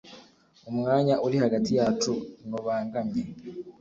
Umwanya uri hagati yacu nubangamye